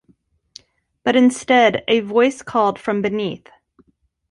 But instead a voice called from beneath.